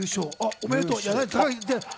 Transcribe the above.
おめでとうじゃないのよ。